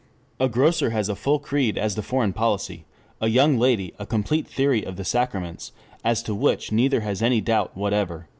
A grocer has a full creed as to foreign policy, a young lady a complete theory of the sacraments, as to which neither has any doubt whatever."